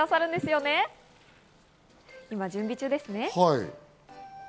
今、準備中ですね。